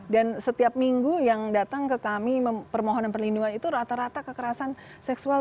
dan setiap minggu yang datang ke kami permohonan perlindungan itu rata rata kekerasan seksual